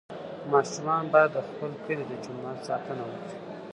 ماشومان باید د خپل کلي د جومات ساتنه وکړي.